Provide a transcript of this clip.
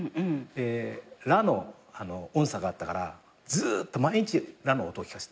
ラの音叉があったからずっと毎日ラの音を聞かせて。